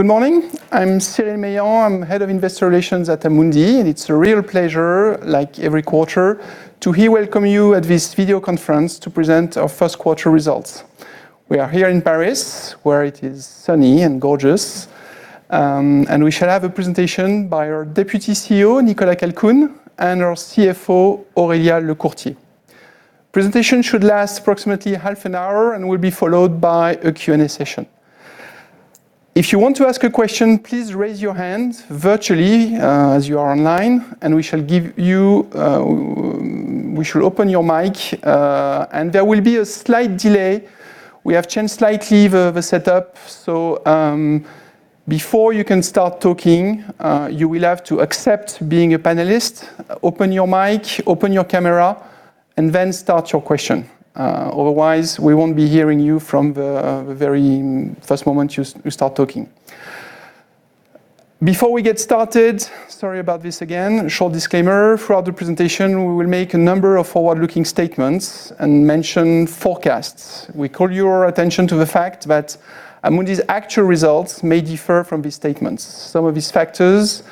Good morning. I'm Cyril Meilland. I'm Head of Investor Relations at Amundi. It's a real pleasure, like every quarter, to here welcome you at this video conference to present our Q1 results. We are here in Paris, where it is sunny and gorgeous and we shall have a presentation by our Deputy CEO, Nicolas Calcoen, and our CFO, Aurélia Lecourtier. Presentation should last approximately half an hour, it will be followed by a Q&A session. If you want to ask a question, please raise your hand virtually, as you are online and we shall open your mic. There will be a slight delay. We have changed slightly the setup. Before you can start talking, you will have to accept being a panelist, open your mic, open your camera and then start your question, otherwise, we won't be hearing you from the very first moment you start talking. Before we get started, sorry about this again, a short disclaimer. Throughout the presentation, we will make a number of forward-looking statements and mention forecasts. We call your attention to the fact that Amundi's actual results may differ from these statements. Some of these factors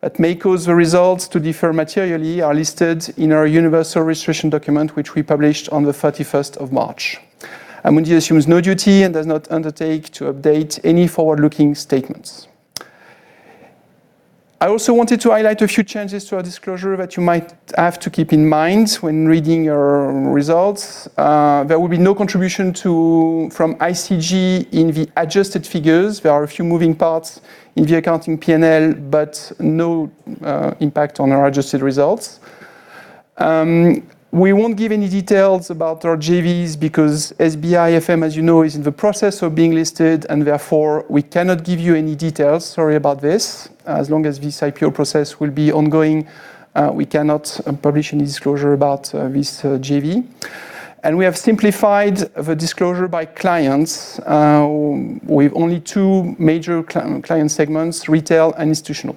that may cause the results to differ materially are listed in our universal registration document, which we published on the 31 March. Amundi assumes no duty and does not undertake to update any forward-looking statements. I also wanted to highlight a few changes to our disclosure that you might have to keep in mind when reading your results. There will be no contribution from ICG in the adjusted figures. There are a few moving parts in the accounting P&L, but no impact on our adjusted results. We won't give any details about our JVs because SBI MF, as you know, is in the process of being listed, and therefore we cannot give you any details. Sorry about this. As long as this IPO process will be ongoing, we cannot publish any disclosure about this JV. We have simplified the disclosure by clients, with only two major client segments, retail and institutional.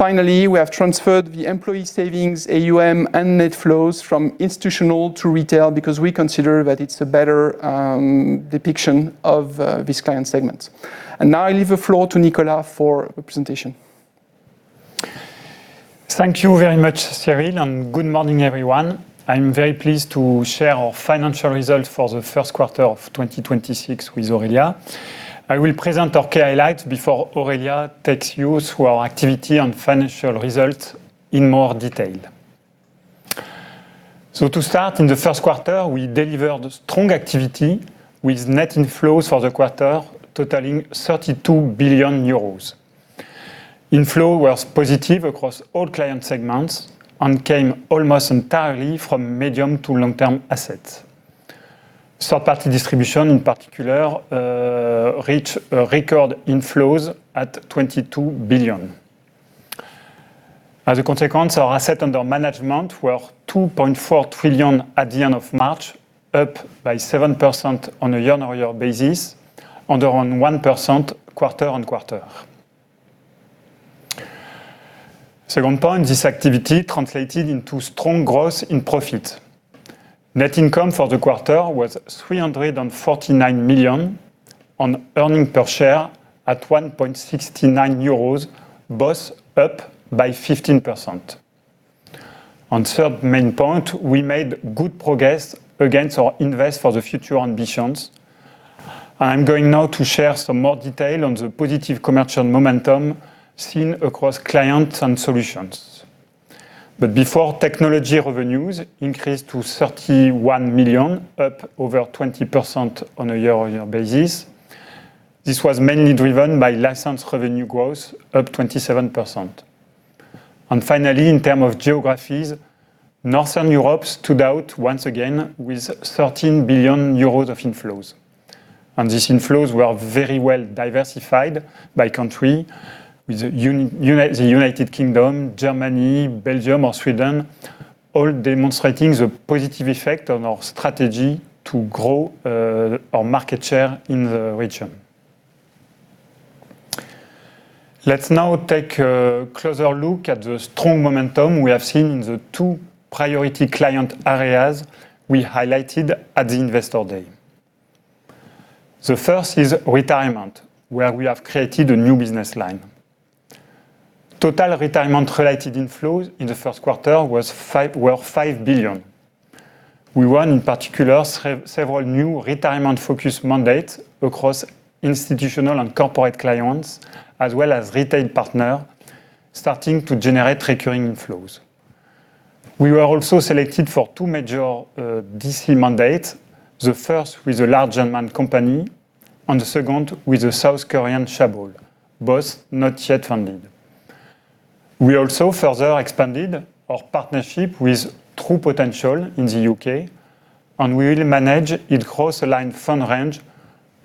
Finally, we have transferred the employee savings, AUM, and net flows from institutional to retail because we consider that it's a better depiction of this client segment. Now I leave the floor to Nicolas for the presentation. Thank you very much, Cyril, and good morning, everyone. I am very pleased to share our financial results for the Q1 of 2026 with Aurélia. I will present our key highlights before Aurélia takes you through our activity and financial results in more detail. To start, in the Q1, we delivered strong activity with net inflows for the quarter totaling 32 billion euros. Inflow was positive across all client segments and came almost entirely from medium to long-term assets. Third-party distribution, in particular, reached record inflows at 22 billion. As a consequence, our assets under management were 2.4 trillion at the end of March, up by 7% on a year-over-year basis, and around 1% quarter-over-quarter. Second point, this activity translated into strong growth in profit. Net income for the quarter was 349 million on earnings per share at 1.69 euros, both up by 15%. On third main point, we made good progress against our Invest for the Future ambitions. I'm going now to share some more detail on the positive commercial momentum seen across clients and solutions. Before, technology revenues increased to 31 million, up over 20% on a year-on-year basis. This was mainly driven by license revenue growth, up 27%. Finally, in terms of geographies, Northern Europe stood out once again with 13 billion euros of inflows. These inflows were very well diversified by country with the United Kingdom, Germany, Belgium or Sweden, all demonstrating the positive effect on our strategy to grow our market share in the region. Let's now take a closer look at the strong momentum we have seen in the two priority client areas we highlighted at the Investor Day. The first is retirement, where we have created a new business line. Total retirement-related inflows in the Q1 were 5 billion. We won, in particular, several new retirement-focused mandates across institutional and corporate clients as well as retail partner, starting to generate recurring inflows. We were also selected for two major DC mandates, the first with a large unnamed company, and the second with a South Korean chaebol, both not yet funded. We also further expanded our partnership with True Potential in the U.K., and we will manage its Growth-Aligned fund range,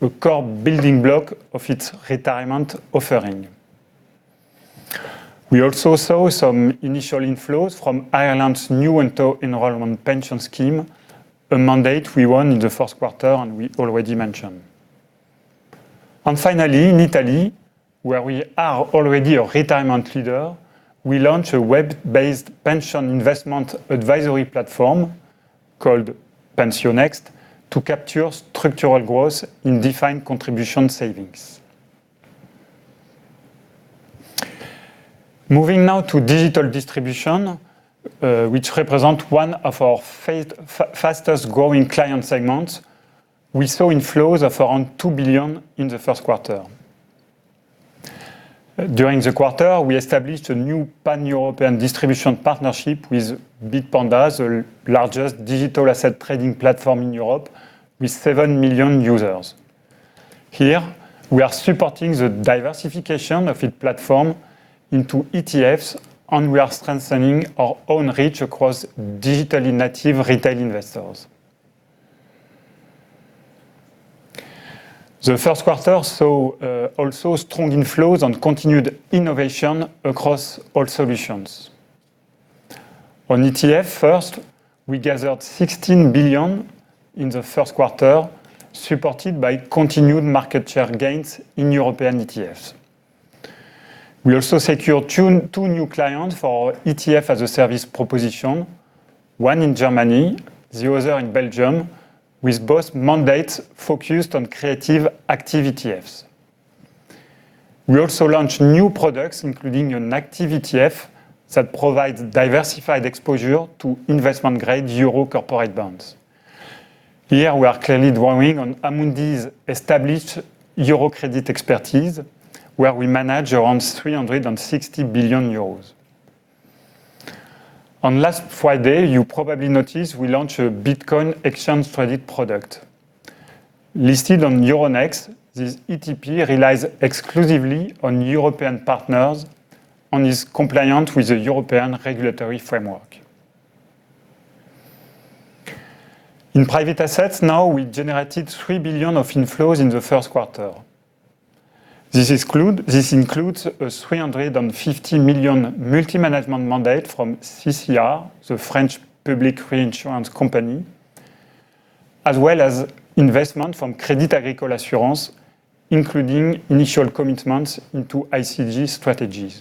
a core building block of its retirement offering. We also saw some initial inflows from Ireland's new auto-enrollment pension scheme, a mandate we won in the Q1, and we already mentioned. Finally, in Italy, where we are already a retirement leader, we launched a web-based pension investment advisory platform called PensioNEXT to capture structural growth in defined contribution savings. Moving now to digital distribution, which represent one of our fastest growing client segments. We saw inflows of around 2 billion in the Q1. During the quarter, we established a new pan-European distribution partnership with Bitpanda, the largest digital asset trading platform in Europe with 7 million users. Here, we are supporting the diversification of its platform into ETFs, and we are strengthening our own reach across digitally native retail investors. The Q1 saw also strong inflows on continued innovation across all solutions. On ETF first, we gathered 16 billion in the Q1, supported by continued market share gains in European ETFs. We also secured two new clients for our ETF-as-a-Service proposition, one in Germany, the other in Belgium, with both mandates focused on creative active ETFs. We also launched new products, including an active ETF that provides diversified exposure to investment-grade euro corporate bonds. Here, we are clearly drawing on Amundi's established euro credit expertise, where we manage around 360 billion euros. On last Friday, you probably noticed we launched a Bitcoin exchange-traded product. Listed on Euronext, this ETP relies exclusively on European partners and is compliant with the European regulatory framework. In private assets now, we generated 3 billion of inflows in the Q1. This includes a 350 million multi-management mandate from CCR, the French public reinsurance company, as well as investment from Crédit Agricole Assurances, including initial commitments into ICG Strategies.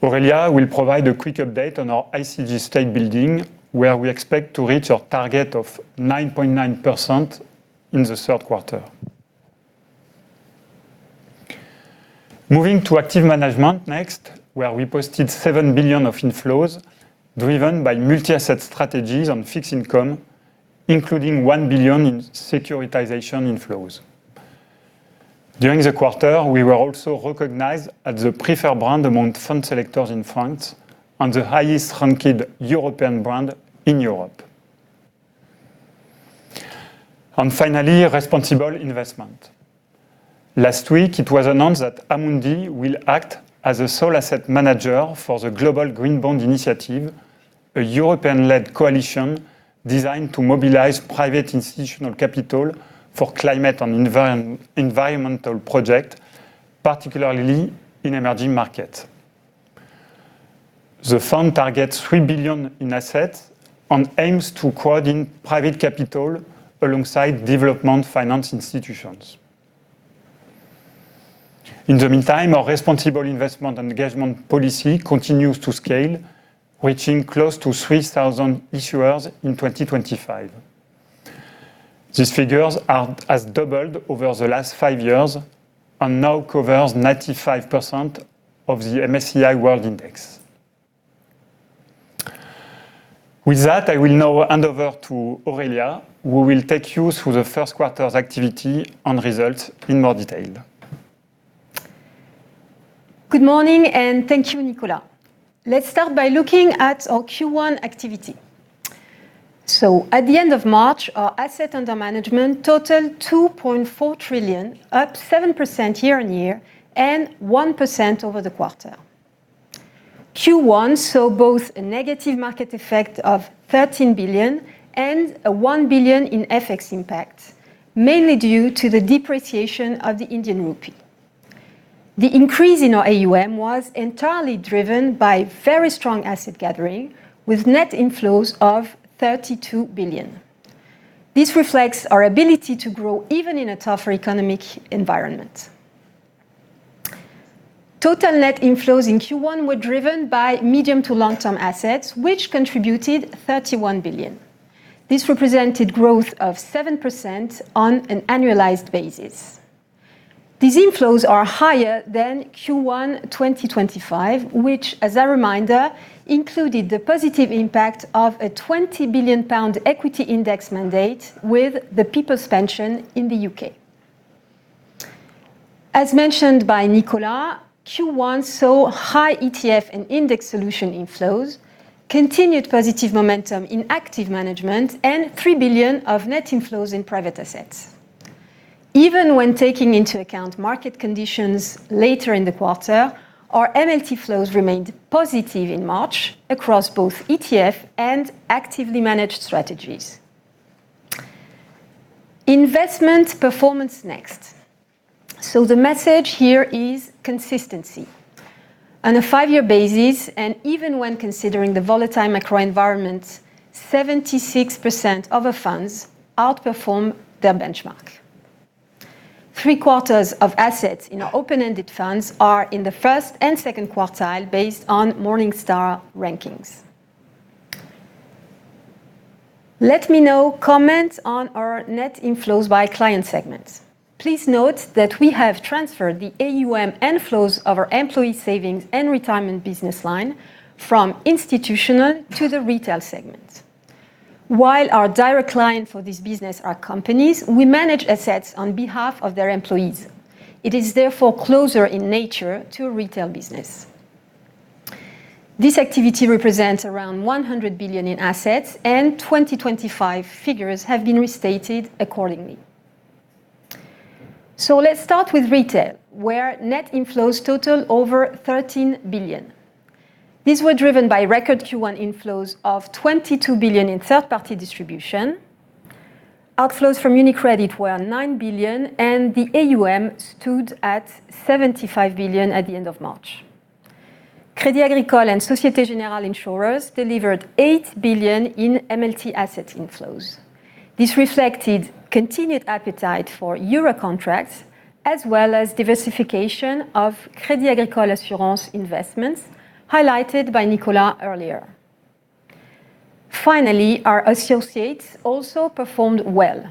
Aurélia will provide a quick update on our ICG state building, where we expect to reach our target of 9.9% in the Q3. Moving to active management next, where we posted 7 billion of inflows driven by multi-asset strategies on fixed income, including 1 billion in securitization inflows. During the quarter, we were also recognized as the preferred brand among fund selectors in France and the highest-ranked European brand in Europe. Finally, responsible investment. Last week, it was announced that Amundi will act as a sole asset manager for the Global Green Bond Initiative, a European-led coalition designed to mobilize private institutional capital for climate and environmental project, particularly in emerging markets, so the fund targets 3 billion in assets and aims to coordinate private capital alongside development finance institutions. In the meantime, our responsible investment and engagement policy continues to scale, reaching close to 3,000 issuers in 2025. These figures has doubled over the last five years and now covers 95% of the MSCI World Index. With that, I will now hand over to Aurélia, who will take you through the Q1's activity and results in more detail. Good morning. Thank you, Nicolas. Let's start by looking at our Q1 activity. At the end of March, our asset under management totaled 2.4 trillion, up 7% year-over-year and 1% over the quarter. Q1 saw both a negative market effect of 13 billion and a 1 billion in FX impact, mainly due to the depreciation of the Indian rupee. The increase in our AUM was entirely driven by very strong asset gathering, with net inflows of 32 billion. This reflects our ability to grow even in a tougher economic environment. Total net inflows in Q1 were driven by medium to long-term assets, which contributed 31 billion. This represented growth of 7% on an annualized basis. These inflows are higher than Q1 2025, which, as a reminder, included the positive impact of a 20 billion pound equity index mandate with The People's Pension in the UK. As mentioned by Nicolas, Q1 saw high ETF and index solution inflows, continued positive momentum in active management, and 3 billion of net inflows in private assets. Even when taking into account market conditions later in the quarter, our MLT flows remained positive in March across both ETF and actively managed strategies. Investment performance next. The message here is consistency. On a five-year basis, and even when considering the volatile macro environment, 76% of our funds outperform their benchmark. Three quarters of assets in our open-ended funds are in the first and second quartile based on Morningstar rankings. Let me now comment on our net inflows by client segments. Please note that we have transferred the AUM inflows of our employee savings and retirement business line from institutional to the retail segments. While our direct client for this business are companies, we manage assets on behalf of their employees. It is therefore closer in nature to a retail business. This activity represents around 100 billion in assets, and 20 to 25 figures have been restated accordingly. Let's start with retail, where net inflows total over 13 billion. These were driven by record Q1 inflows of 22 billion in third-party distribution. Outflows from UniCredit were 9 billion, and the AUM stood at 75 billion at the end of March. Crédit Agricole and Société Générale insurers delivered 8 billion in MLT asset inflows. This reflected continued appetite for euro contracts, as well as diversification of Crédit Agricole Assurances investments highlighted by Nicolas Calcoen earlier. Finally, our associates also performed well.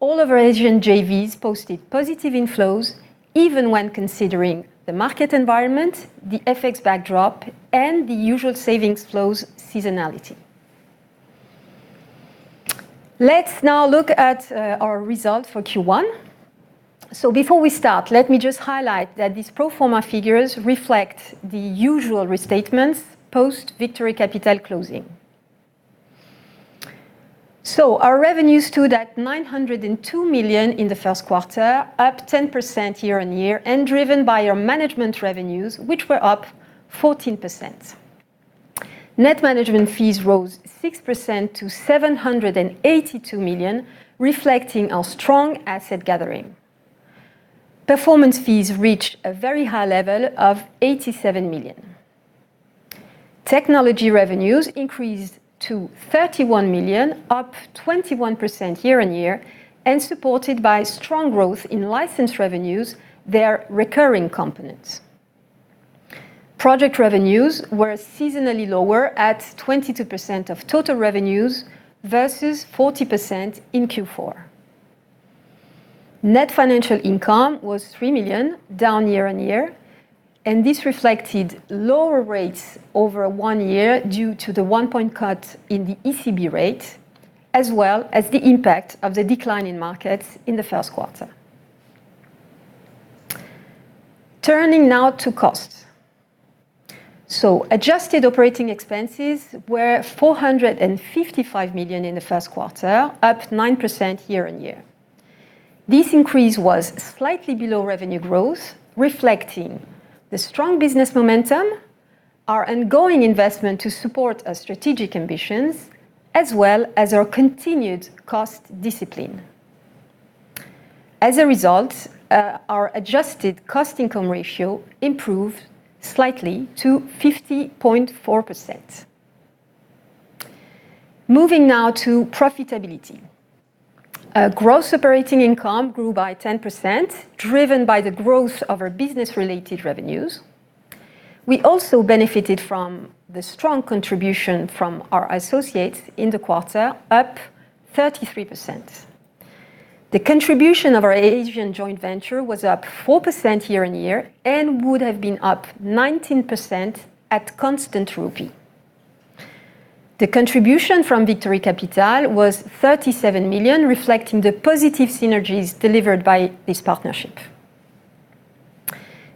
All of our Asian JVs posted positive inflows even when considering the market environment, the FX backdrop, and the usual savings flows seasonality. Let's now look at our result for Q1. Before we start, let me just highlight that these pro forma figures reflect the usual restatements post-Victory Capital closing. Our revenues stood at 902 million in the Q1, up 10% year-on-year, and driven by our management revenues, which were up 14%. Net management fees rose 6% to 782 million, reflecting our strong asset gathering. Performance fees reached a very high level of 87 million. Technology revenues increased to 31 million, up 21% year-on-year, and supported by strong growth in licensed revenues, their recurring components. Project revenues were seasonally lower at 22% of total revenues versus 40% in Q4. Net financial income was 3 million, down year-on-year, and this reflected lower rates over one year due to the 1-point cut in the ECB rate, as well as the impact of the decline in markets in the Q1. Turning now to costs. Adjusted operating expenses were 455 million in the Q1, up 9% year-on-year. This increase was slightly below revenue growth, reflecting the strong business momentum, our ongoing investment to support our strategic ambitions, as well as our continued cost discipline. As a result, our adjusted cost income ratio improved slightly to 50.4%. Moving now to profitability. Gross operating income grew by 10%, driven by the growth of our business-related revenues. We also benefited from the strong contribution from our associates in the quarter, up 33%. The contribution of our Asian joint venture was up 4% year-on-year and would have been up 19% at constant rupee. The contribution from Victory Capital was 37 million, reflecting the positive synergies delivered by this partnership.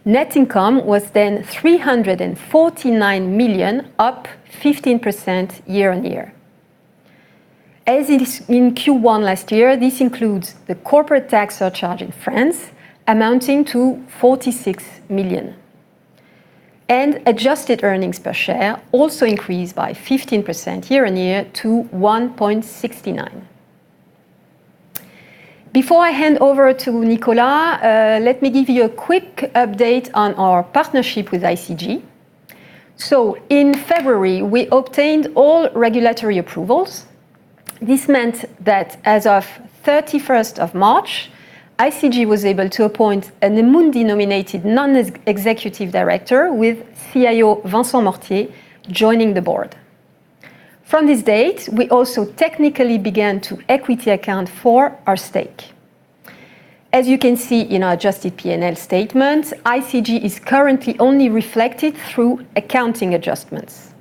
Net income was then 349 million, up 15% year-on-year. As is in Q1 last year, this includes the corporate tax surcharge in France amounting to 46 million. Adjusted earnings per share also increased by 15% year-on-year to 1.69. Before I hand over to Nicolas, let me give you a quick update on our partnership with ICG. In February, we obtained all regulatory approvals. This meant that as of 31 March, ICG was able to appoint an Amundi-nominated non-ex-executive director with CIO Vincent Mortier joining the board. From this date, we also technically began to equity account for our stake. As you can see in our adjusted P&L statement, ICG is currently only reflected through accounting adjustments.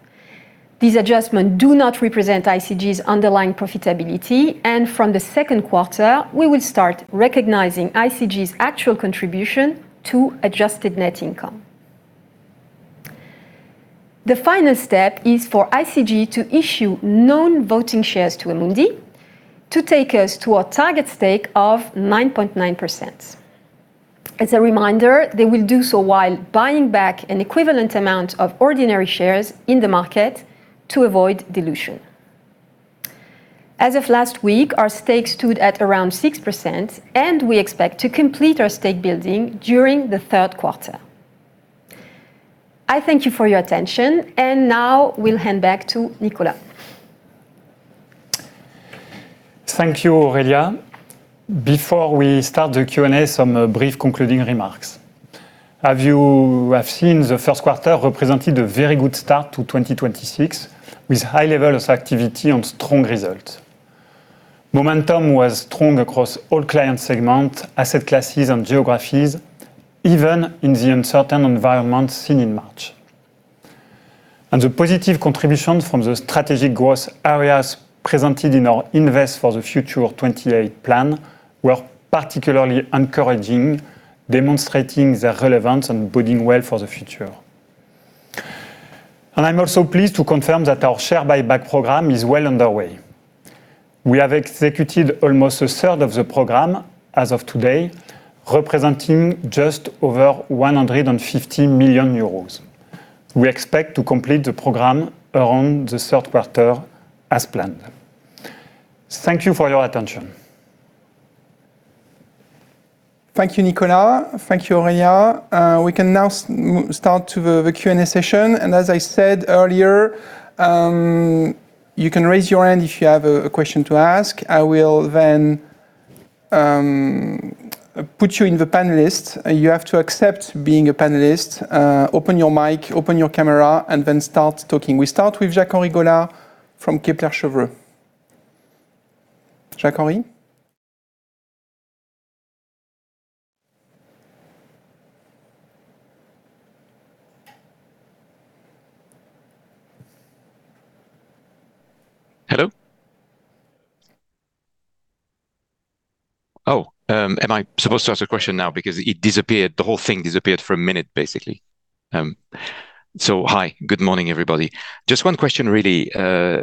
These adjustments do not represent ICG's underlying profitability, and from the Q2, we will start recognizing ICG's actual contribution to adjusted net income. The final step is for ICG to issue non-voting shares to Amundi to take us to our target stake of 9.9%. As a reminder, they will do so while buying back an equivalent amount of ordinary shares in the market to avoid dilution. As of last week, our stake stood at around 6%, and we expect to complete our stake building during the Q3. I thank you for your attention, and now we'll hand back to Nicolas. Thank you, Aurélia. Before we start the Q&A, some brief concluding remarks. As you have seen, the Q1 represented a very good start to 2026, with high levels of activity and strong results. Momentum was strong across all client segment, asset classes and geographies, even in the uncertain environment seen in March. The positive contribution from the strategic growth areas presented in our Invest for the Future 2028 plan were particularly encouraging, demonstrating their relevance and boding well for the future. I'm also pleased to confirm that our share buyback program is well underway. We have executed almost 1/3 of the program as of today, representing just over 150 million euros. We expect to complete the program around the Q3 as planned. Thank you for your attention. Thank you, Nicolas. Thank you, Aurélia. We can now start to the Q&A session. As I said earlier, you can raise your hand if you have a question to ask. I will then put you in the panelist. You have to accept being a panelist, open your mic, open your camera, and then start talking. We start with Jacques-Henri Gaulard from Kepler Cheuvreux. Jacques-Henri? Hello? Am I supposed to ask a question now? Because it disappeared, the whole thing disappeared for a minute, basically. Hi. Good morning, everybody. Just one question, really.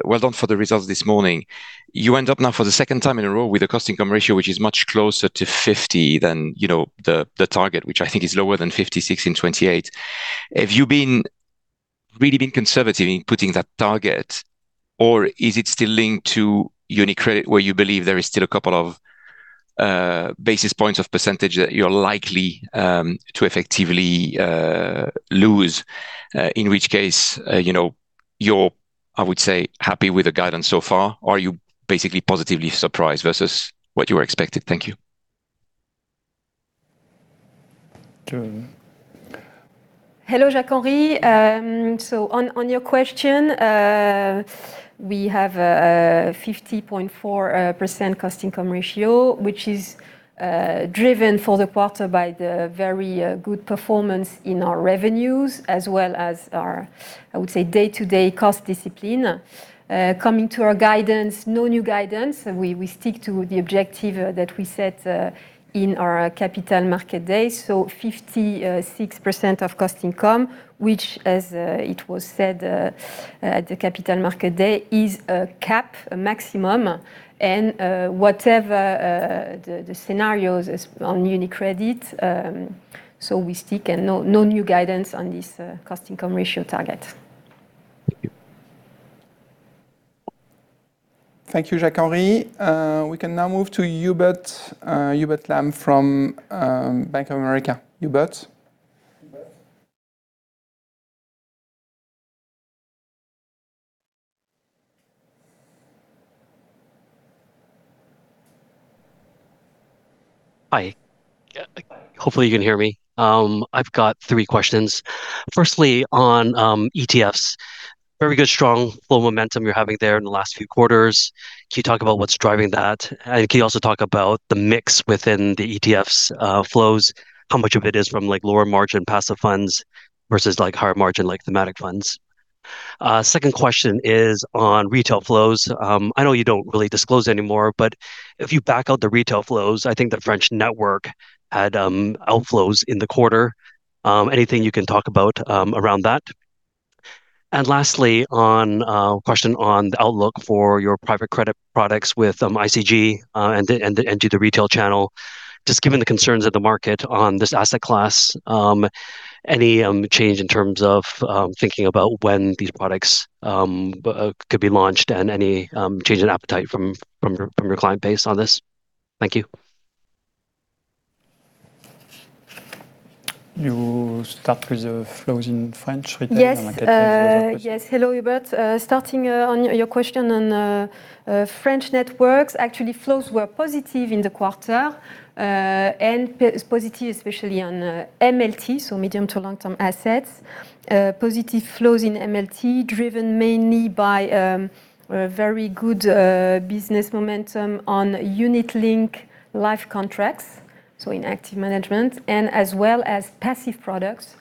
Well done for the results this morning. You end up now for the second time in a row with a cost-income ratio, which is much closer to 50 than, you know, the target, which I think is lower than 56 in 2028. Have you been, really been conservative in putting that target, or is it still linked to UniCredit, where you believe there is still 2 basis points of percentage that you're likely to effectively lose in which case, you know, you're, I would say, happy with the guidance so far. Are you basically positively surprised versus what you were expected? Thank you. Aurélia. Hello, Jacques-Henri. On your question, we have 50.4% cost-income ratio, which is driven for the quarter by the very good performance in our revenues as well as our, I would say, day-to-day cost discipline. Coming to our guidance, no new guidance. We stick to the objective that we set in our Capital Market Day, so 56% of cost income, which, as it was said at the Capital Market Day, is a cap, a maximum. Whatever the scenario is on UniCredit, so we stick and no new guidance on this cost-income ratio target. Thank you. Thank you, Jacques-Henri. We can now move to Hubert Lam from Bank of America. Hubert? Hubert? Hi. Hopefully you can hear me. I've got three questions. Firstly, on ETFs, very good, strong flow momentum you're having there in the last few quarters. Can you talk about what's driving that? Can you also talk about the mix within the ETFs' flows, how much of it is from lower margin passive funds versus higher margin thematic funds? Second question is on retail flows. I know you don't really disclose anymore, but if you back out the retail flows, I think the French network had outflows in the quarter. Anything you can talk about around that? Lastly, on question on the outlook for your private credit products with ICG and through the retail channel. Just given the concerns of the market on this asset class, any change in terms of thinking about when these products could be launched and any change in appetite from your client base on this? Thank you. You start with the flows in French retail. Yes. The other question. Yes. Hello, Hubert. Starting on your question on French networks, actually, flows were positive in the quarter. Positive especially on MLT, so medium to long-term assets. Positive flows in MLT, driven mainly by a very good business momentum on unit-linked life contracts, so in active management, and as well as passive products,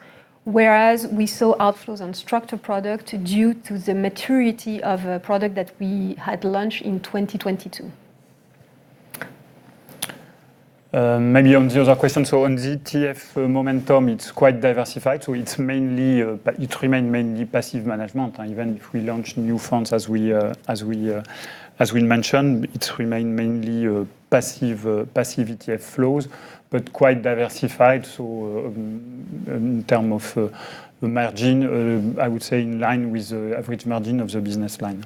whereas we saw outflows on structured product due to the maturity of a product that we had launched in 2022. Maybe on the other question. On the ETF momentum, it's quite diversified, it remain mainly passive management. Even if we launch new funds, as we mentioned, it remain mainly passive ETF flows, but quite diversified. In term of the margin, I would say in line with the average margin of the business line.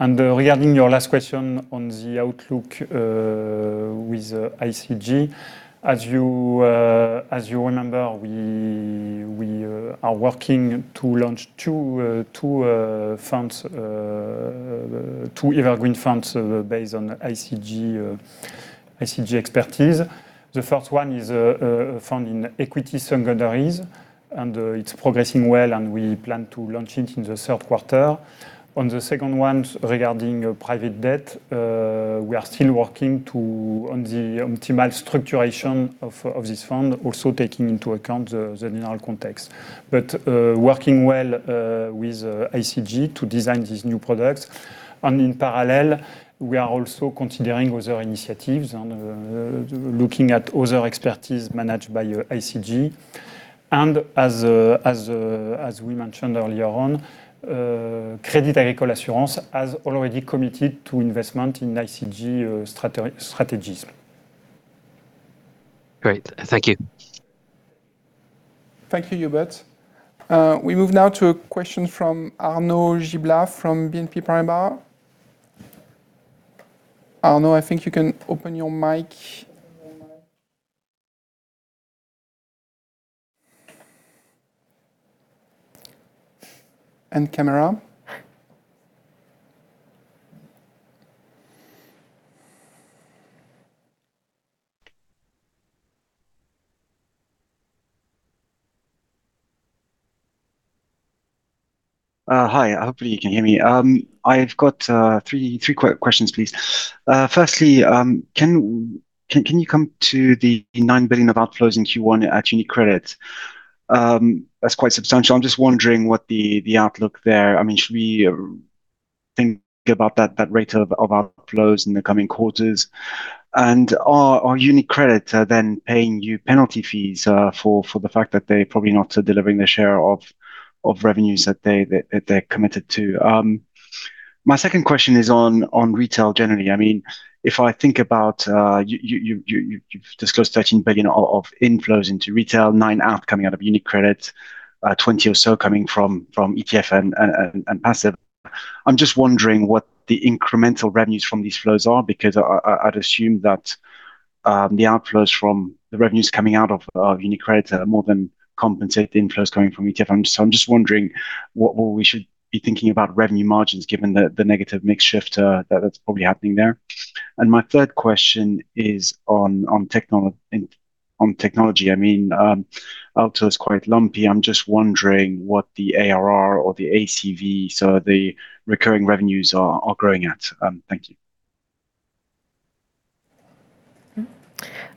Regarding your last question on the outlook with ICG, as you remember, we are working to launch two funds, two evergreen funds, based on ICG expertise. The first one is a fund in equity secondaries, and it's progressing well, and we plan to launch it in the Q3. On the second one, regarding private debt, we are still working on the optimal structuration of this fund, also taking into account the general context. Working well with ICG to design these new products. In parallel, we are also considering other initiatives and looking at other expertise managed by ICG. As we mentioned earlier on, Crédit Agricole Assurances has already committed to investment in ICG strategies. Great. Thank you. Thank you, Hubert. We move now to a question from Arnaud Giblat from BNP Paribas. Arnaud, I think you can open your mic and camera. Hi. Hopefully you can hear me. I've got three quick questions, please. Firstly, can you come to the 9 billion of outflows in Q1 at UniCredit? That's quite substantial. I'm just wondering what the outlook there. I mean, should we think about that rate of outflows in the coming quarters? Are UniCredit then paying you penalty fees for the fact that they're probably not delivering their share of revenues that they're committed to? My second question is on retail generally. I mean, if I think about, you've disclosed 13 billion of inflows into retail, 9 billion out coming out of UniCredit, 20 billion or so coming from ETF and passive. I'm just wondering what the incremental revenues from these flows are, because I'd assume that the outflows from the revenues coming out of UniCredit are more than compensate the inflows coming from ETF. I'm just wondering what we should be thinking about revenue margins, given the negative mix shift that's probably happening there. My third question is on technology. I mean, ALTO is quite lumpy. I'm just wondering what the ARR or the ACV, so the recurring revenues are growing at. Thank you.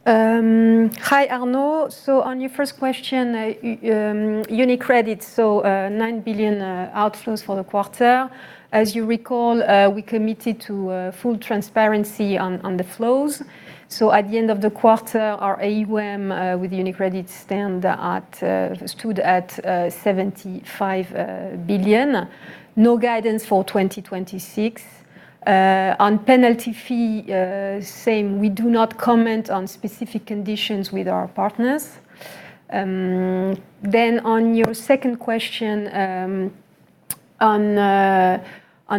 Hi, Arnaud. On your first question, UniCredit saw 9 billion outflows for the quarter. As you recall, we committed to full transparency on the flows. At the end of the quarter, our AUM with UniCredit stood at 75 billion. No guidance for 2026. On penalty fee, same. We do not comment on specific conditions with our partners. Then on your second question, on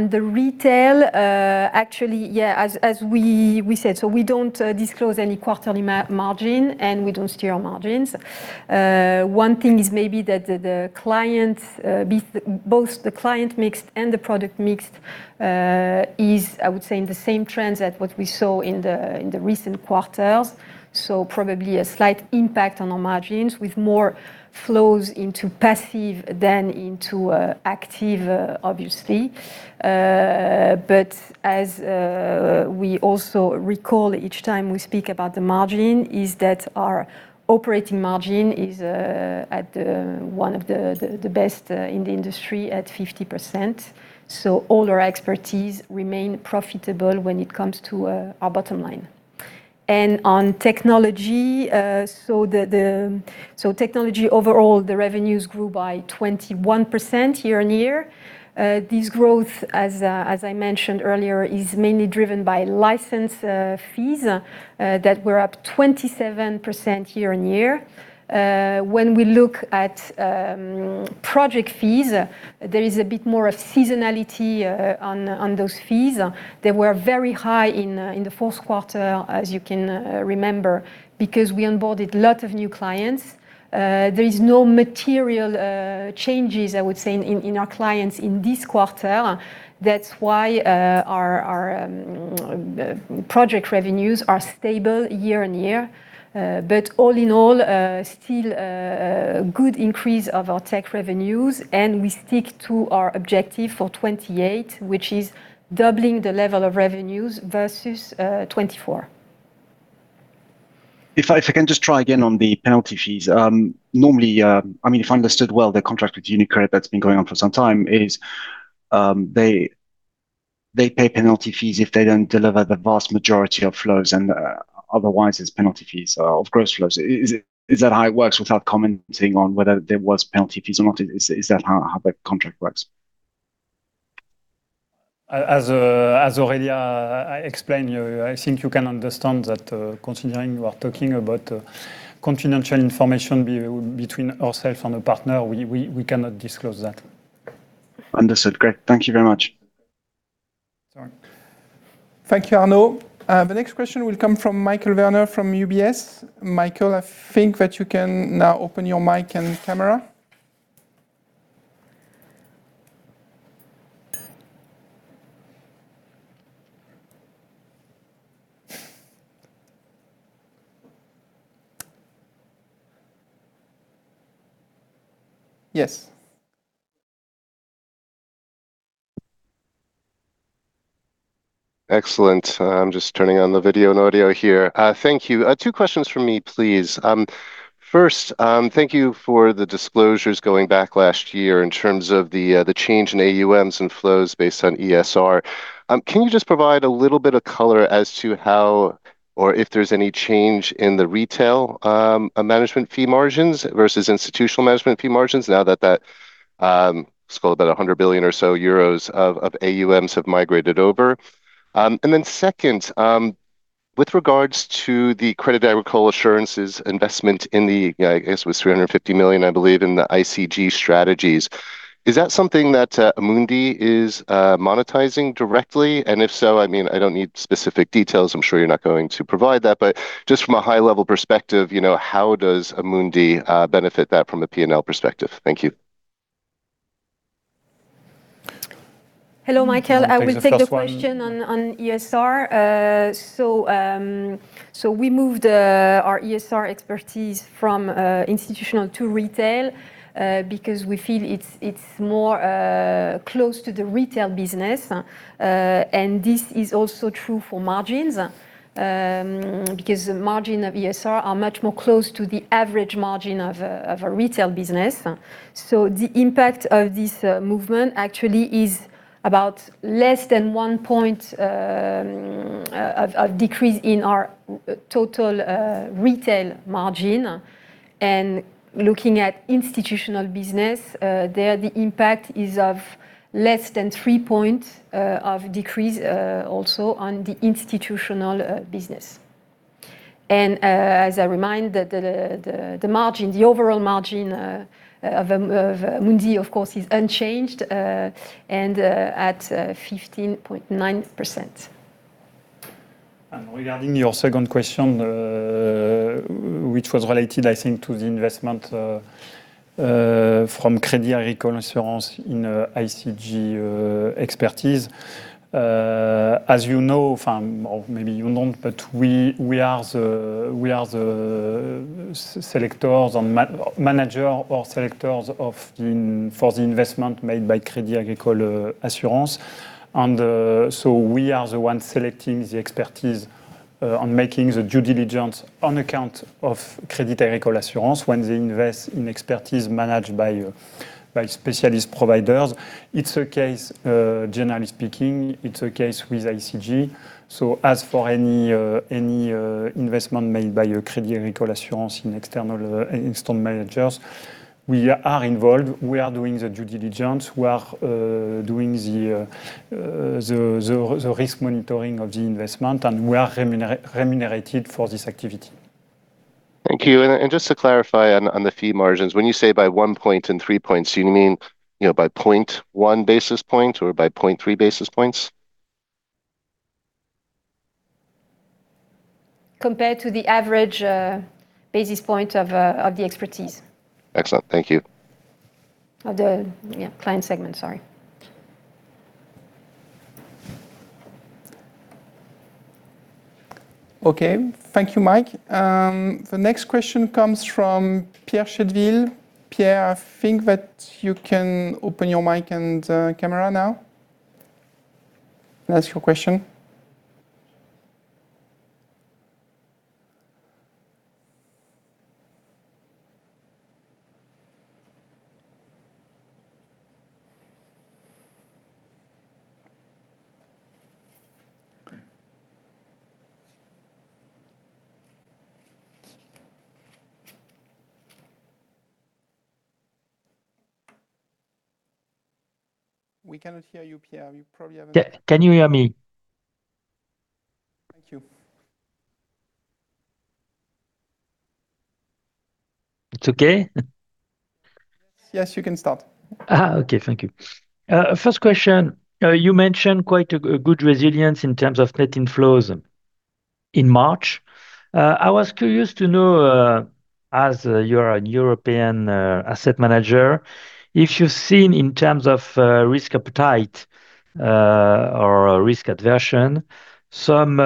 the retail, actually, as we said, we don't disclose any quarterly margin, and we don't steer our margins. One thing is maybe that the clients, both the client mix and the product mix, is, I would say, in the same trends at what we saw in the recent quarters so probably a slight impact on our margins with more flows into passive than into active, obviously. We also recall each time we speak about the margin is that our operating margin is at one of the best in the industry at 50%. All our expertise remain profitable when it comes to our bottom line. On technology overall, the revenues grew by 21% year-on-year. This growth, as I mentioned earlier, is mainly driven by license fees that were up 27% year-on-year. When we look at project fees, there is a bit more of seasonality on those fees. They were very high in the Q4, as you can remember, because we onboarded lot of new clients. There is no material changes, I would say, in our clients in this quarter. That's why our project revenues are stable year-on-year. All in all, still good increase of our tech revenues, and we stick to our objective for 2028, which is doubling the level of revenues versus 2024. If I can just try again on the penalty fees. Normally, I mean, if I understood well, the contract with UniCredit that's been going on for some time is, they pay penalty fees if they don't deliver the vast majority of flows, and otherwise, it's penalty fees of gross flows. Is that how it works without commenting on whether there was penalty fees or not? Is that how the contract works? As Aurélia explained you, I think you can understand that, considering you are talking about confidential information between ourself and a partner, we cannot disclose that. Understood. Great. Thank you very much. Sorry. Thank you, Arnaud Giblat. The next question will come from Michael Werner from UBS. Michael, I think that you can now open your mic and camera. Yes. Excellent. I'm just turning on the video and audio here. Thank you. Two questions from me, please. First, thank you for the disclosures going back last year in terms of the change in AUMs and flows based on ESR. Can you just provide a little bit of color as to how or if there is any change in the retail management fee margins versus institutional management fee margins now that that, let's call it about 100 billion or so of AUMs have migrated over? Second, with regards to the Crédit Agricole Assurances investment in the, I guess it was 350 million, I believe, in the ICG strategies, is that something that Amundi is monetizing directly? If so, I mean, I don't need specific details. I'm sure you're not going to provide that, but just from a high-level perspective, you know, how does Amundi benefit that from a P&L perspective? Thank you. Hello, Michael. Take the first one. I will take the question on ESR. We moved our ESR expertise from institutional to retail because we feel it's more close to the retail business. This is also true for margins because the margin of ESR are much more close to the average margin of a retail business. The impact of this movement actually is about less than 1 point of decrease in our total retail margin. Looking at institutional business, there the impact is of less than 3 point of decrease also on the institutional business. As I remind that the margin, the overall margin of Amundi, of course, is unchanged and at 15.9%. Regarding your second question, which was related, I think, to the investment from Crédit Agricole Assurances in ICG expertise. As you know, or maybe you don't, but we are the selectors and manager or selectors of the, for the investment made by Crédit Agricole Assurances so we are the one selecting the expertise on making the due diligence on account of Crédit Agricole Assurances when they invest in expertise managed by specialist providers. It's a case, generally speaking, it's a case with ICG. As for any investment made by Crédit Agricole Assurances in external, in external managers, we are involved. We are doing the due diligence. We are doing the risk monitoring of the investment, and we are remunerated for this activity. Thank you. Just to clarify on the fee margins, when you say by 1 point and 3 points, do you mean, you know, by point, 1 basis point or by point, 3 basis points? Compared to the average basis point of the expertise. Excellent. Thank you. Of the, yeah, client segment, sorry. Okay. Thank you, Mike. The next question comes from Pierre Chédeville. Pierre, I think that you can open your mic and camera now and ask your question. We cannot hear you, Pierre. Can you hear me? Thank you. It's okay? Yes, you can start. Okay. Thank you. First question, you mentioned quite a good resilience in terms of net inflows in March. I was curious to know, as you're a European asset manager, if you've seen, in terms of risk appetite or risk aversion, some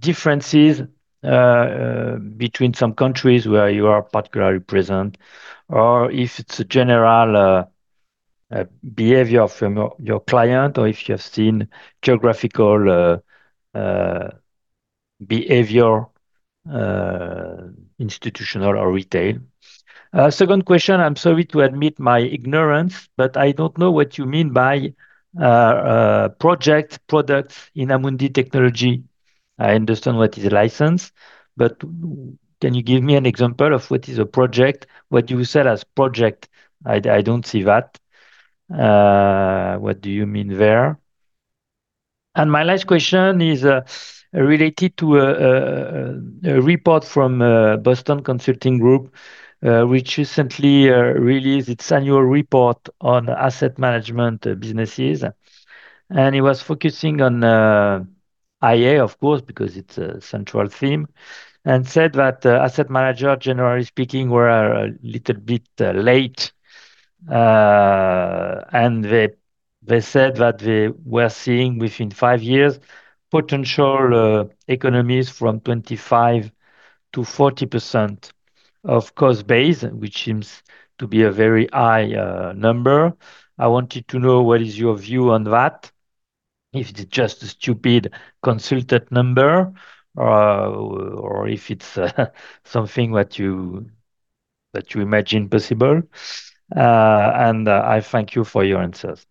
differences between some countries where you are particularly present, or if it's a general behavior from your client, or if you have seen geographical behavior, institutional or retail. Second question, I'm sorry to admit my ignorance, but I don't know what you mean by project products in Amundi Technology. I understand what is a license, but can you give me an example of what is a project? What you sell as project, I don't see that. What do you mean there? My last question is related to a report from Boston Consulting Group, which recently released its annual report on asset management businesses. It was focusing on AI, of course, because it's a central theme, and said that asset manager, generally speaking, were a little bit late. They said that they were seeing within five years potential economies from 25%-40% of cost base, which seems to be a very high number. I wanted to know what is your view on that, if it is just a stupid consulted number, or if it's something that you imagine possible and I thank you for your answers.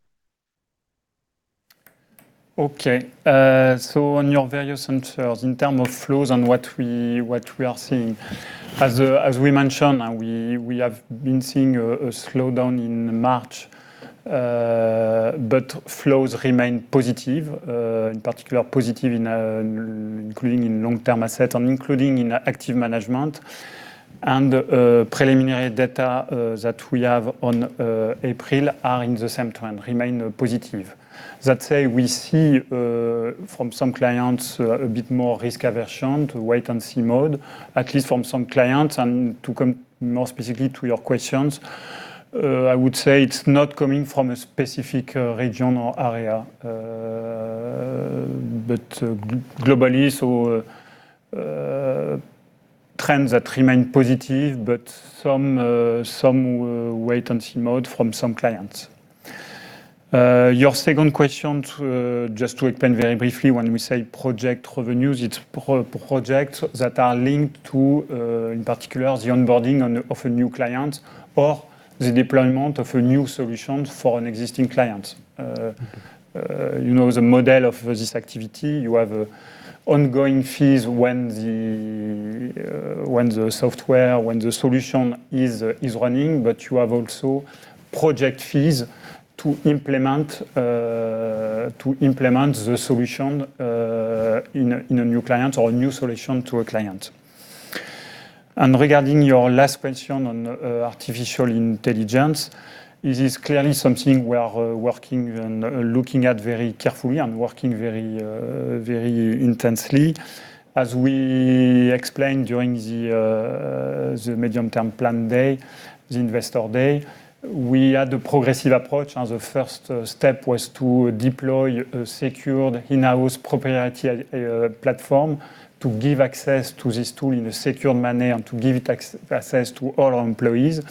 On your various answers in terms of flows and what we are seeing, as we mentioned, we have been seeing a slowdown in March. Flows remain positive, in particular positive in including in long-term assets and including in active management. Preliminary data that we have on April are in the same trend, remain positive. That said, we see from some clients a bit more risk aversion to wait-and-see mode, at least from some clients. To come more specifically to your questions, I would say it's not coming from a specific region or area. Globally, trends that remain positive, but some wait-and-see mode from some clients. Your second question to, just to explain very briefly, when we say project revenues, it's projects that are linked to, in particular, the onboarding of a new client or the deployment of a new solution for an existing client. You know, the model of this activity, you have ongoing fees when the solution is running, but you have also project fees to implement the solution in a new client or a new solution to a client. Regarding your last question on artificial intelligence, it is clearly something we are working and looking at very carefully and working very intensely. As we explained during the medium-term plan day, the Investor Day, we had a progressive approach, and the first step was to deploy a secured in-house proprietary platform to give access to this tool in a secure manner and to give it access to all our employees.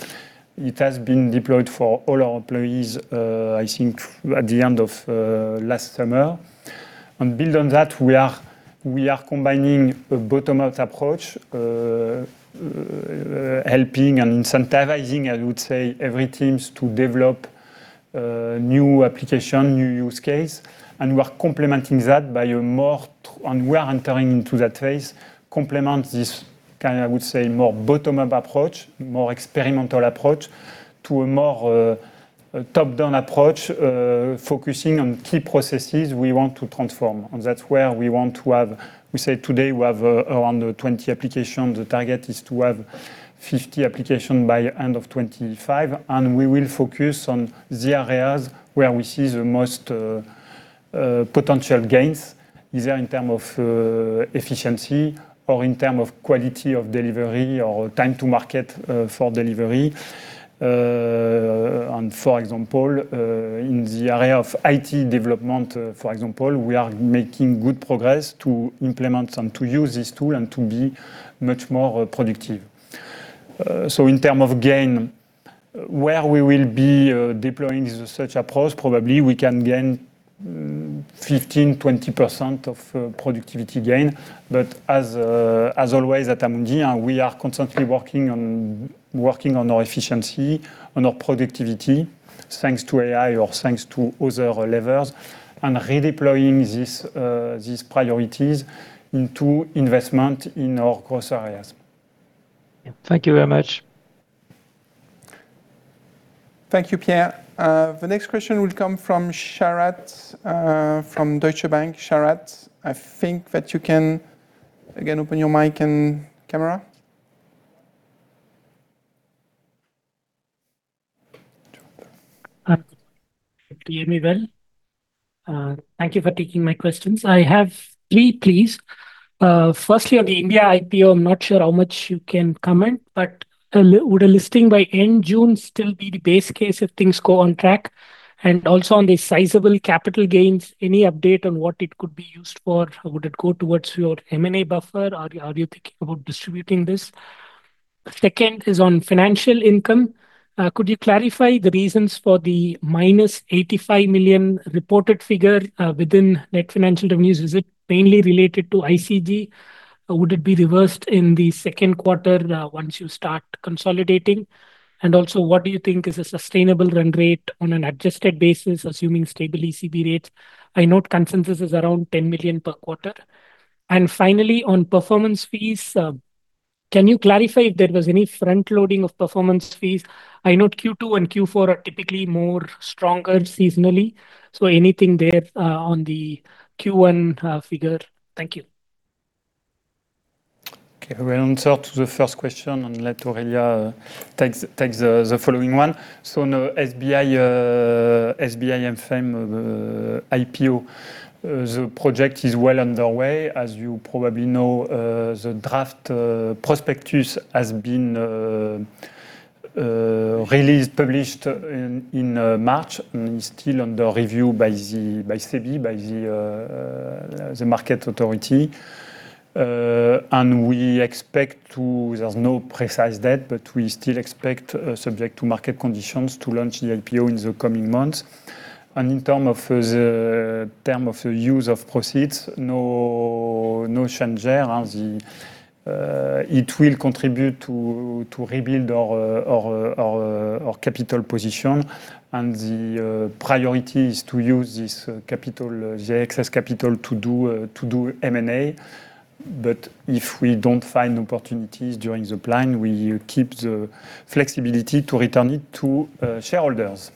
It has been deployed for all our employees, I think at the end of last summer. Build on that, we are combining a bottom-up approach, helping and incentivizing, I would say, every teams to develop new application, new use case. We are complementing that by a more, and we are entering into that phase, complement this kind of, I would say, more bottom-up approach, more experimental approach to a more top-down approach, focusing on key processes we want to transform. That's where we want to have, we say today we have around 20 applications. The target is to have 50 application by end of 2025. We will focus on the areas where we see the most potential gains, either in term of efficiency or in term of quality of delivery or time to market for delivery. In the area of IT development, for example, we are making good progress to implement and to use this tool and to be much more productive. In term of gain, where we will be deploying this, such approach, probably we can gain 15%-20% of productivity gain. As always at Amundi, we are constantly working on our efficiency, on our productivity, thanks to AI or thanks to other levels, and redeploying these priorities into investment in our core areas. Thank you very much. Thank you, Pierre. The next question will come from Sharath from Deutsche Bank. Sharath, I think that you can, again, open your mic and camera. Can you hear me well? Thank you for taking my questions. I have three, please. Firstly, on the India IPO, I'm not sure how much you can comment, but would a listing by end June still be the base case if things go on track? On the sizable capital gains, any update on what it could be used for? Would it go towards your M&A buffer? Are you thinking about distributing this? Second is on financial income. Could you clarify the reasons for the -85 million reported figure within net financial revenues? Is it mainly related to ICG? Would it be reversed in the Q2 once you start consolidating? What do you think is a sustainable run rate on an adjusted basis, assuming stable ECB rates? I note consensus is around 10 million per quarter. Finally, on performance fees, can you clarify if there was any front-loading of performance fees? I note Q2 and Q4 are typically more stronger seasonally, so anything there, on the Q1, figure? Thank you. Okay, we're answer to the first question, let Aurélia takes the following one. No, SBI MF, IPO, the project is well underway. As you probably know, the draft prospectus has been released, published in March, it's still under review by the, by SEBI, by the market authority. There's no precise date, but we still expect, subject to market conditions, to launch the IPO in the coming months. In term of the use of proceeds, no change there. It will contribute to rebuild our capital position, the priority is to use this capital, the excess capital to do M&A. If we don't find opportunities during the plan, we keep the flexibility to return it to shareholders.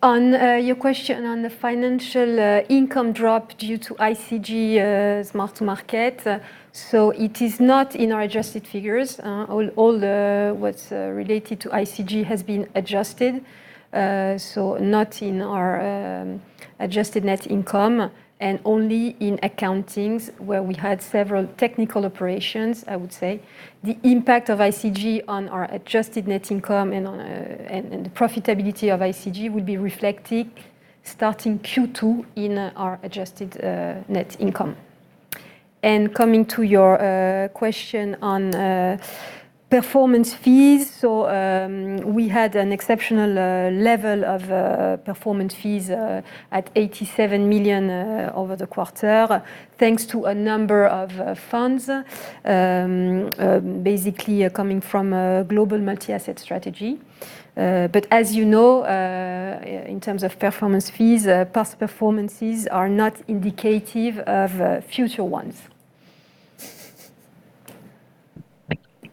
On your question on the financial income drop due to ICG's Smart Market. It is not in our adjusted figures. All that's related to ICG has been adjusted, so not in our adjusted net income, and only in accountings where we had several technical operations, I would say. The impact of ICG on our adjusted net income and on and the profitability of ICG will be reflected starting Q2 in our adjusted net income. Coming to your question on performance fees. We had an exceptional level of performance fees at 87 million over the quarter, thanks to a number of funds basically coming from a global multi-asset strategy. As you know, in terms of performance fees, past performances are not indicative of future ones. Thank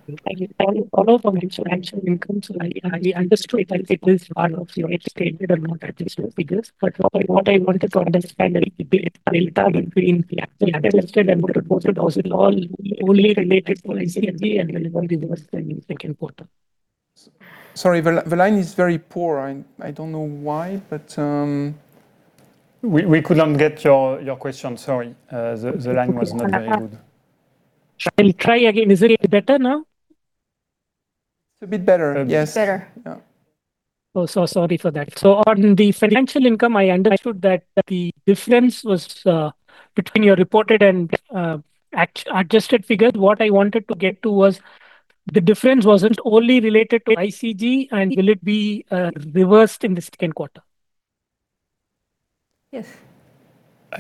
you. On financial income, I understand it is part of your stated amount adjusted figures. What I wanted to understand a bit is the delta between the actually adjusted and reported. Was it all only related to ICG, and will it be reversed in the Q2? Sorry, the line is very poor. I don't know why, but- We could not get your question. Sorry. The line was not very good. Shall I try again? Is it better now? It's a bit better, yes. It's better. Yeah. Oh, so sorry for that. On the financial income, I understood that the difference was between your reported and adjusted figures. What I wanted to get to was the difference wasn't only related to ICG, and will it be reversed in the Q2? Yes.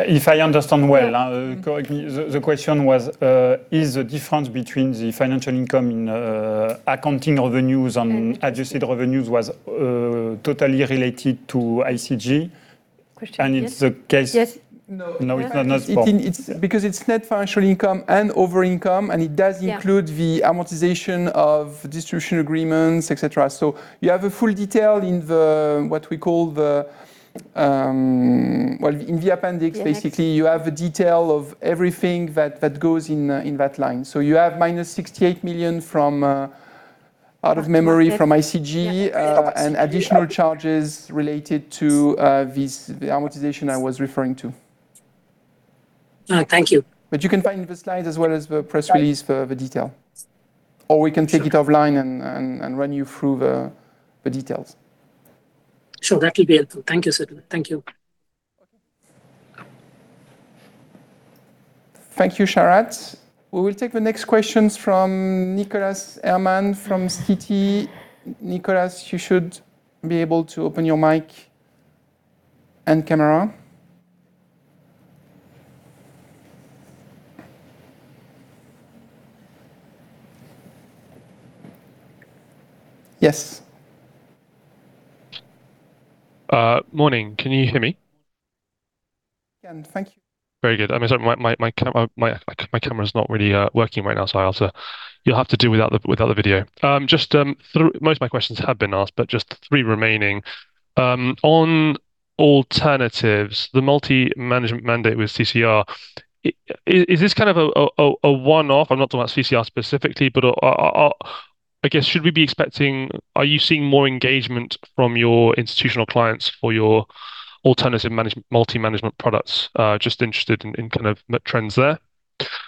If I understand well, correct me. The question was, is the difference between the financial income in accounting revenues and adjusted revenues was totally related to ICG? Christian, yes. It's the case. Yes. No. No, it's not. Not. Because it's net financial income and over income, and it does include- Yeah. -the amortization of distribution agreements, etc. You have a full detail in the, what we call the, Well, in the appendix basically. The annex. You have a detail of everything that goes in that line. You have -68 million from, out of memory, from ICG- Yeah. From ICG, yeah -and additional charges related to the amortization I was referring to. All right, thank you. You can find the slides as well as the press release for the detail. Sure. We can take it offline and run you through the details. Sure, that'll be helpful. Thank you, sir. Thank you. Thank you, Sharath. We will take the next questions from Nicholas Herman from Citi. Nicholas, you should be able to open your mic and camera. Yes. Morning. Can you hear me? We can. Thank you. Very good. I'm sorry my camera's not really working right now. You'll have to do without the video. Most of my questions have been asked, but just three remaining. On alternatives, the multi-management mandate with CCR, is this kind of a one-off? I'm not talking about CCR specifically, but I guess, should we be expecting? Are you seeing more engagement from your institutional clients for your alternative multi-management products? Just interested in kind of the trends there.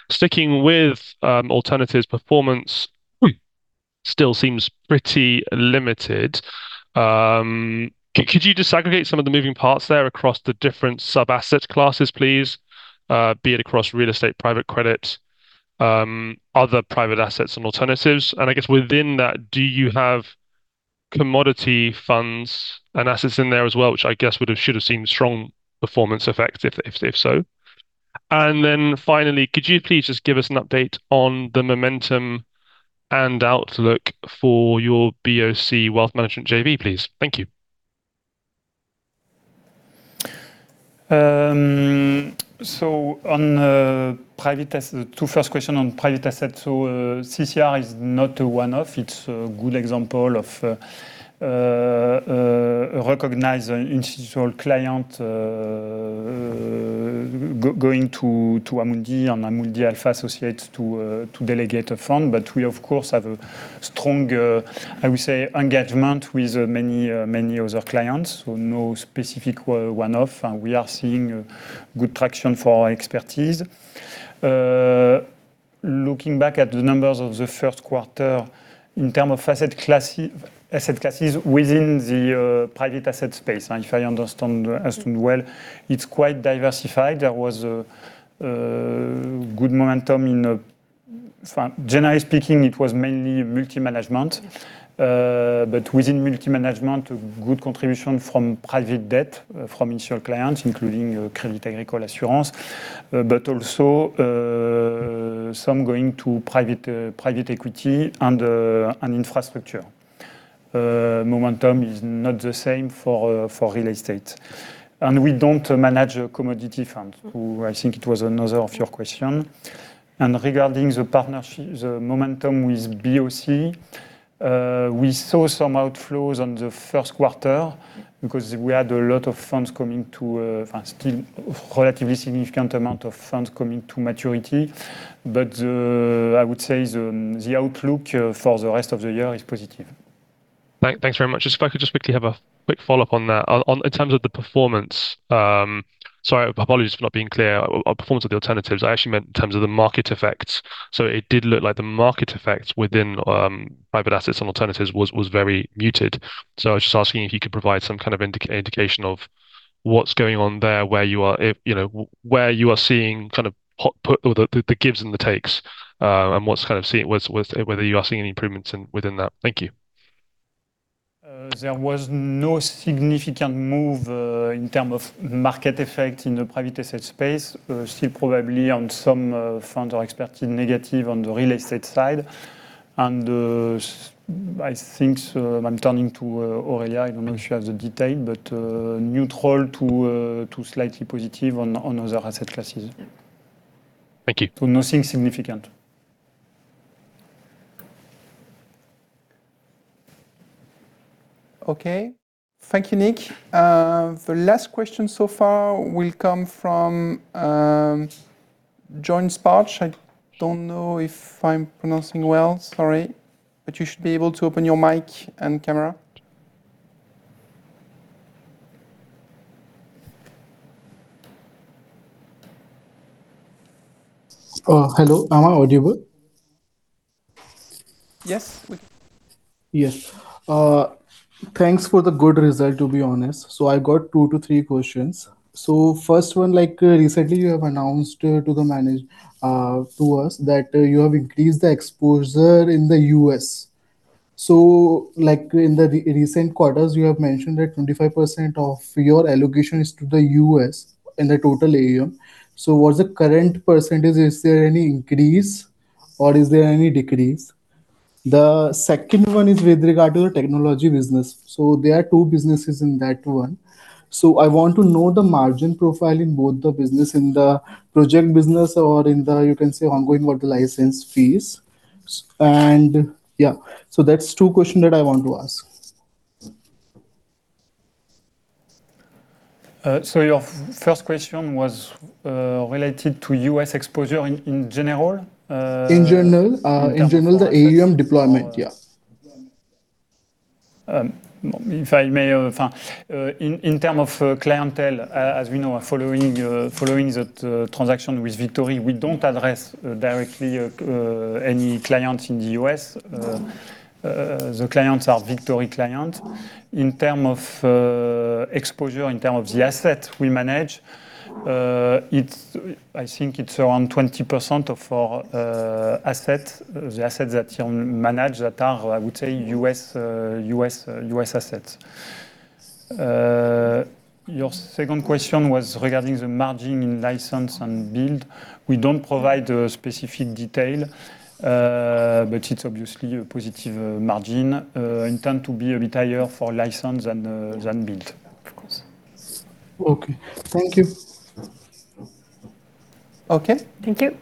Sticking with alternatives, performance still seems pretty limited, could you disaggregate some of the moving parts there across the different sub-asset classes, please? Be it across real estate, private credit, other private assets and alternatives. I guess within that, do you have commodity funds and assets in there as well, which I guess would have, should have seen strong performance effects if so. Finally, could you please just give us an update on the momentum and outlook for your BOC Wealth Management JV, please? Thank you. On the two first question on private assets. CCR is not a one-off. It's a good example of a recognized institutional client, going to Amundi and Amundi Alpha Associates to delegate a fund. We of course have a strong, I would say engagement with many other clients who know specific one-off, and we are seeing a good traction for our expertise. Looking back at the numbers of the Q1, in term of asset classes within the private asset space, if I understand as to well, it's quite diversified. There was a good momentum in, generally speaking, it was mainly multi-management. Within multi-management, a good contribution from private debt, from insured clients, including Crédit Agricole Assurances, but also some going to private equity and infrastructure. Momentum is not the same for real estate. We don't manage a commodity fund, who I think it was another of your question. Regarding the partnership, the momentum with BOC, we saw some outflows on the Q1 because we had a lot of funds coming to still relatively significant amount of funds coming to maturity but I would say the outlook for the rest of the year is positive. Thanks very much. If I could just quickly have a quick follow-up on that. On in terms of the performance, sorry, apologies for not being clear. On performance of the alternatives, I actually meant in terms of the market effects. It did look like the market effects within private assets and alternatives was very muted. I was just asking if you could provide some kind of indication of what's going on there, where you are, if, you know, where you are seeing kind of hot, or the gives and the takes, and whether you are seeing any improvements in, within that. Thank you. There was no significant move in terms of market effect in the private asset space. Still probably on some fund or expertise negative on the real estate side. I think I'm turning to Aurélia. I don't know if she has the detail, but neutral to slightly positive on other asset classes. Yeah. Thank you. Nothing significant. Okay. Thank you, Nick. The last question so far will come from Johann Scholtz. I don't know if I'm pronouncing well, sorry, but you should be able to open your mic and camera. Oh, hello. Am I audible? Yes. Yes. Thanks for the good result, to be honest. I got two to three questions. First one, recently you have announced to the manage, to us that you have increased the exposure in the US. In the recent quarters, you have mentioned that 25% of your allocation is to the US in the total AUM. What's the current percentage? Is there any increase or is there any decrease? The second one is with regard to the technology business. There are two businesses in that one. I want to know the margin profile in both the business, in the project business or in the, you can say, ongoing with the license fees. That's two question that I want to ask. Your first question was, related to US exposure in general? In general. In general, the AUM deployment, yeah. If I may. In term of clientele, as we know, following the transaction with Victory, we don't address directly any client in the US. The clients are Victory client. In term of exposure, in term of the asset we manage, I think it's around 20% of our asset, the assets that you manage that are, I would say, US assets. Your second question was regarding the margin in license and build. We don't provide a specific detail, but it's obviously a positive margin, and tend to be a bit higher for license than build. Of course. Okay. Thank you. Okay. Thank you.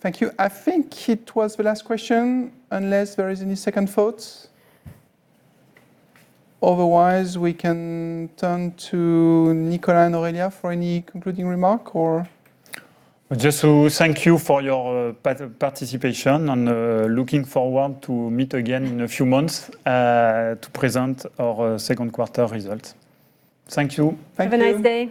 Thank you. I think it was the last question, unless there is any second thoughts. We can turn to Nicolas and Aurélia for any concluding remark. Just to thank you for your participation, and looking forward to meet again in a few months to present our Q2 results. Thank you. Thank you. Have a nice day.